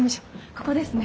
ここですね。